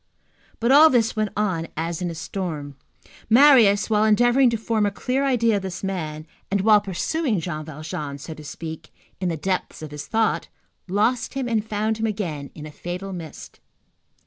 But all this went on as in a storm. Marius, while endeavoring to form a clear idea of this man, and while pursuing Jean Valjean, so to speak, in the depths of his thought, lost him and found him again in a fatal mist.